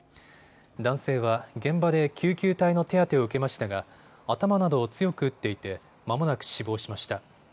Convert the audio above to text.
男性は現場で救急隊の手当てを受けましたが頭などを強く打っていて、まもなく死亡しました。